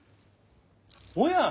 おや！